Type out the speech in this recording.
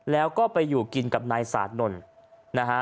แล้วก็ไปอยู่กินกับนายสานนท์นะฮะ